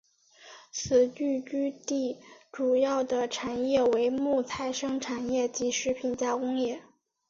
此聚居地主要的产业为木材生产业及食品加工业。